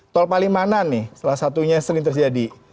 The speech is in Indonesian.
tol palimanan nih salah satunya sering terjadi